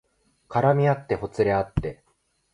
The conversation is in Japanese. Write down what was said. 絡みあってほつれあって